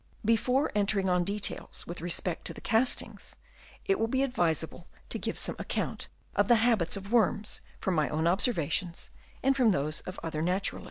Before entering on details with respect to the castings, it will be advisable to give some account of the habits of worms from my own observations and from those of other naturalists.